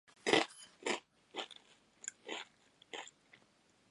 山の中にトンネルを掘ろうとした、互いに山の反対側から穴を掘り進める